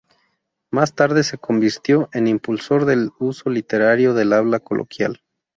Más tarde se convirtió en impulsor del uso literario del habla coloquial.